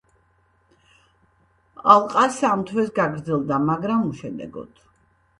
ალყა სამ თვეს გაგრძელდა, მაგრამ უშედეგოდ.